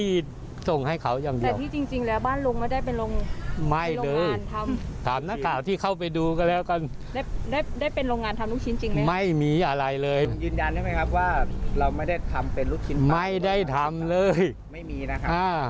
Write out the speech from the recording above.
ยืนยันได้ไหมครับว่าเราไม่ได้ทำเป็นลูกชิ้นไม่ได้ทำเลยไม่มีนะครับ